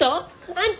あんた！